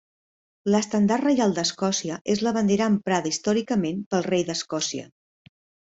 L'Estendard Reial d'Escòcia és la bandera emprada històricament pel Rei d'Escòcia.